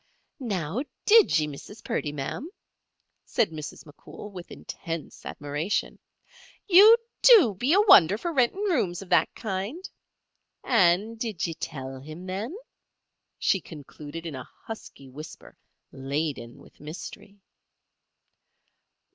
"Now, did ye, Mrs. Purdy, ma'am?" said Mrs. McCool, with intense admiration. "You do be a wonder for rentin' rooms of that kind. And did ye tell him, then?" she concluded in a husky whisper, laden with mystery.